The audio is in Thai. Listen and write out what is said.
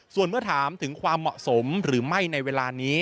ส่วนเมื่อถามถึงความเหมาะสมหรือไม่ในเวลานี้